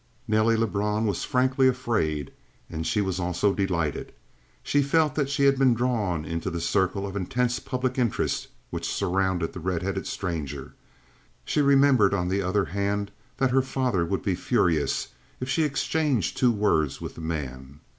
Nelly Lebrun was frankly afraid; and she was also delighted. She felt that she had been drawn into the circle of intense public interest which surrounded the red headed stranger; she remembered on the other hand that her father would be furious if she exchanged two words with the man.